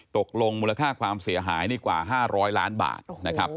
ตกลงมูลค่าความเสียหายนี่กว่า๕๐๐ล้านบาทนะครับ